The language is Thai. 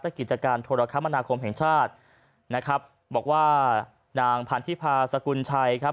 กิจการโทรคมนาคมแห่งชาตินะครับบอกว่านางพันธิพาสกุลชัยครับ